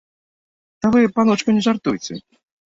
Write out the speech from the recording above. Ды вы, паночку, не жартуйце!